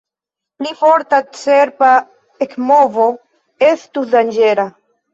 Pli forta cerba ekmovo estus danĝera.